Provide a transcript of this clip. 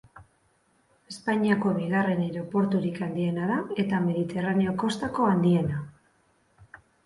Espainiako bigarren aireporturik handiena da, eta mediterraneo kostako handiena.